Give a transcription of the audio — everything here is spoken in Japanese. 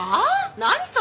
何それ？